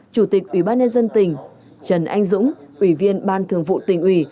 chủ tịch ủy ban nhân dân tỉnh trần anh dũng ủy viên ban thường vụ tỉnh ủy